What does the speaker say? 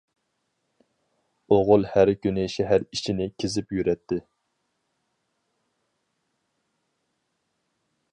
ئوغۇل ھەر كۈنى شەھەر ئىچىنى كېزىپ يۈرەتتى.